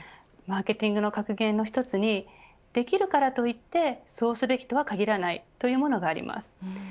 マーケティングの格言の１つにできるからといってそうすべきとは限らないというものがあります。